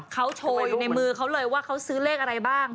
เขาโชว์อยู่ในมือเขาเลยว่าเขาซื้อเลขอะไรบ้าง